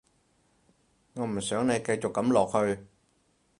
我唔想你繼續噉落去